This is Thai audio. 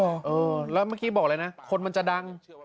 เออแล้วเมื่อกี้บอกเลยนะคนมันจะดัง